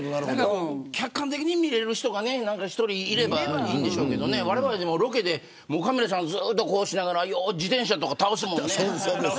客観的に見られる人が１人いればいいんでしょうけれどわれわれでもロケでカメラさん、ずっとこうしながらよう自転車とか倒すもんね。